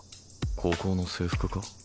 高校の制服か？